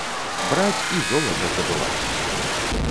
Браць і золата здабываць!